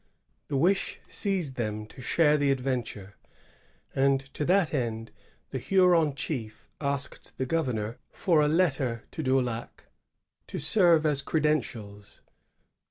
The wish seized them to share the adventure, and to that end the 1060.] INDIAN ALLI£S. 181 Huron chief asked the govemor for a letter to Daulac, to serve as credentials.